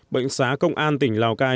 bệnh xá công an tỉnh lào cai